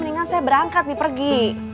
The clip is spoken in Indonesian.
mendingan saya berangkat nih pergi